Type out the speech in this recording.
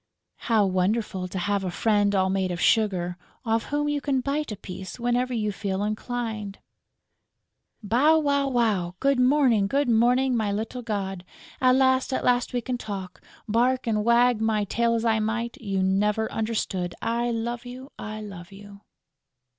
How wonderful to have a friend all made of sugar, off whom you can bite a piece whenever you feel inclined! "Bow, wow, wow!... Good morning! Good morning, my little god!... At last, at last we can talk!... Bark and wag my tail as I might, you never understood!... I love you! I love you!"